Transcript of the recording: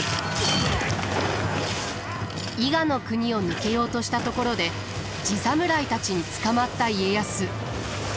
伊賀国を抜けようとしたところで地侍たちに捕まった家康。